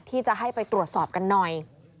ที่จะให้ไปตรวจสอบกันหน่อย